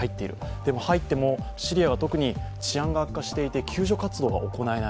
でも入っても、シリアは特に治安が悪化していて救助活動が行えない。